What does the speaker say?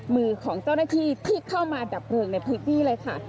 มือของเจ้าหน้าที่ที่เข้ามาดับเพลิงในพื้นที่เลยค่ะ